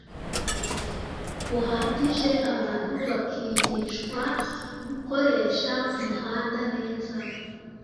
buhagije abantu bakigishwa gukoresha umuhanda neza